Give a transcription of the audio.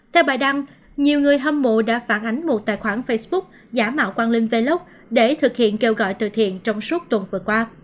theo bài đăng nhiều người hâm mộ đã phản ánh một tài khoản facebook giả mạo quang linh velox để thực hiện kêu gọi từ thiện trong suốt tuần vừa qua